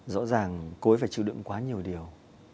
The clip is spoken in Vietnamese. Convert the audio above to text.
rõ ràng cô ấy phải chịu đựng quá nhiều điều